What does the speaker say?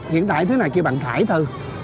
hiện tại thứ này kêu bằng khải thư